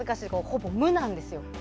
ほぼ無なんですよ。